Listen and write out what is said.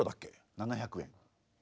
７００円。